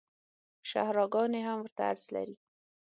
شاهراه ګانې هم ورته عرض لري